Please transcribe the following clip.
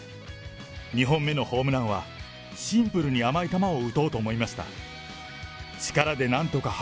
２本目のホームランは、シンプルに甘い球を打とうと思いました。